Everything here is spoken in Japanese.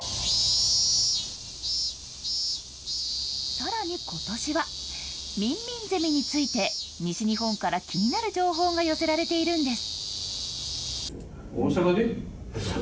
さらにことしは、ミンミンゼミについて西日本から気になる情報が寄せられているんです。